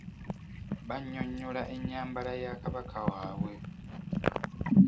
Banyonnyola enyambala ya kabaka waabwe.